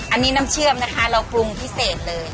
อันนี้น้ำเชื่อมนะคะเราปรุงพิเศษเลย